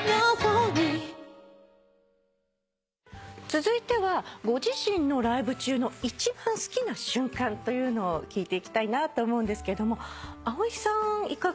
続いてはご自身のライブ中の一番好きな瞬間というのを聞いていきたいなと思うんですけども藍井さんいかがですか？